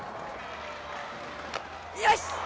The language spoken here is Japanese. よし！